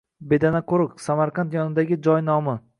Bedanaqo‘riq – Samarqand yonidagi joy nomi.